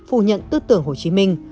phủ nhận tư tưởng hồ chí minh